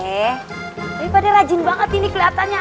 tapi pak de rajin banget ini kelihatannya